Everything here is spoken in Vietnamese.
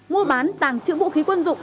mua bán tàng trữ vũ khí quân dụng